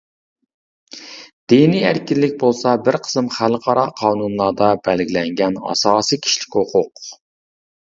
دىنىي ئەركىنلىك بولسا بىر قىسىم خەلقئارا قانۇنلاردا بەلگىلەنگەن ئاساسىي كىشىلىك ھوقۇق.